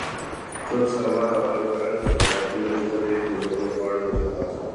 ټول سامان او رنګ په رنګ سوغاتونه، دلته دی کوزول غواړي له جهازه